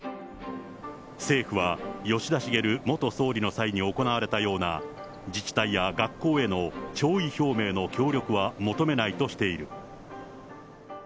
政府は、吉田茂元総理の際に行われたような、自治体や学校への弔意表明の協力は求めないとしている。